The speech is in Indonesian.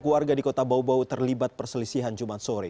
kelompok keluarga di kota baobau terlibat perselisihan jumat sore